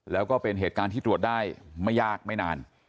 แล้วก็เป็นเหตุการณ์ที่ตรวจได้ไม่ยากไม่นาน